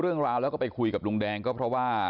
เรื่องราวแล้วก็ไปคุยกับลุงแดงก็เพราะว่า